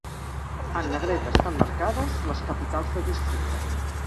En negreta estan marcades les capitals de districte.